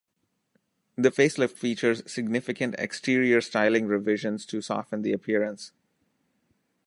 The facelift features significant exterior styling revisions, to soften the appearance.